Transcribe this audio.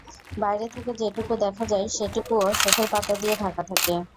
বাইরে থেকে যেটুকু দেখা যায়, সেটুকুও চোখের পাতা দিয়ে ঢাকা থাকে।